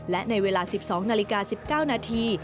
และในเวลา๑๒นาฬิกา๑๙นาที